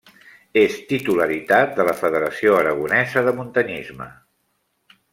És titularitat de la Federació Aragonesa de Muntanyisme.